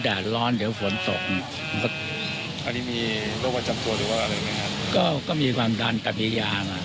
ถ้าทนได้ก็จะเอาเข้าไปเถอะไหม